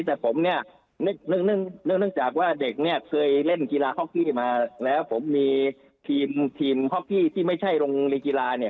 แต่ผมเนี่ยเนื่องจากว่าเด็กเนี่ยเคยเล่นกีฬาฮอกกี้มาแล้วผมมีทีมฮอกกี้ที่ไม่ใช่โรงเรียนกีฬาเนี่ย